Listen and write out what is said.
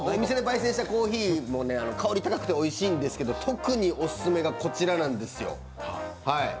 煎したコーヒーも香り高くておいしいんですが特にオススメがこちらなんですよ。